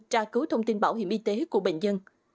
tra cứu thông tin bảo hiểm y tế của bệnh dân